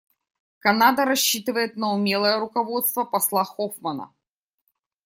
Канада рассчитывает на умелое руководство посла Хоффмана.